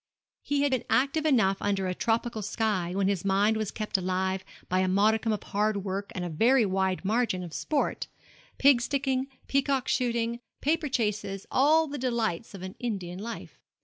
He had been active enough under a tropical sky, when his mind was kept alive by a modicum of hard work and a very wide margin of sport pig sticking, peacock shooting, paper chases, all the delights of an Indian life.